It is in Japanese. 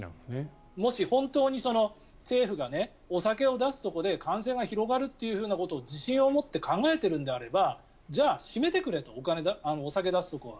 もし本当に政府がお酒を出すとこで感染が広がるということを自信を持って考えているのであればじゃあ閉めてくれとお酒を出すところは。